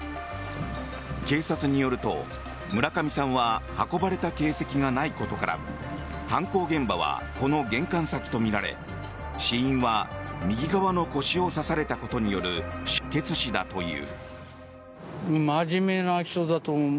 警察によると、村上さんは運ばれた形跡がないことから犯行現場はこの玄関先とみられ死因は右側の腰を刺されたことによる失血死だという。